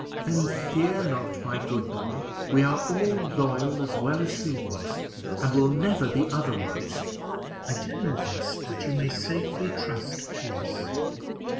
"Then fear not, my good boy; we are all loyal as well as he was, and will never be otherwise. I tell you this that you may safely trust to us.